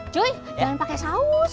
cuy jangan pake saus